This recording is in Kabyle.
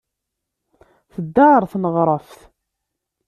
Tedda ɣer tneɣraft.